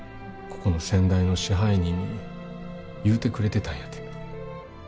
ここの先代の支配人に言うてくれてたんやて。